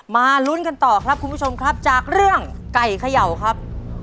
ลุ้นกันต่อครับคุณผู้ชมครับจากเรื่องไก่เขย่าครับ